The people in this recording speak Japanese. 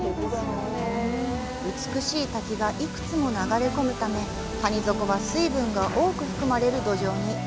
美しい滝が幾つも流れ込むため谷底は水分が多く含まれる土壌に。